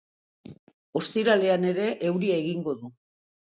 Ostiralean ere euria egingo du.